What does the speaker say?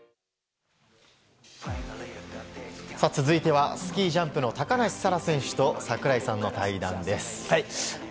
続いてはスキージャンプの高梨沙羅選手と櫻井さんの対談です。